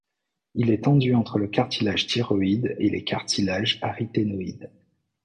Il est tendu entre le cartilage thyroïde et les cartilages aryténoïdes.